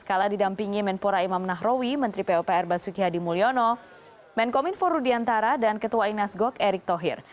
kala didampingi menpora imam nahrawi menteri popr basuki hadi mulyono menkominfor rudiantara dan ketua inas gok erik thohir